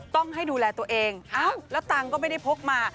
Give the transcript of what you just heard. ต้องให้ดูแลตัวเองแล้วตังค์ก็ไม่ได้พกมา